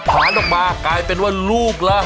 ผ่านออกมากลายเป็นว่าลูกละ